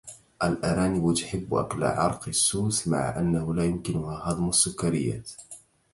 الأرانب تحب أكل عرق السوس مع أنه لايمكنها هضم السكريات.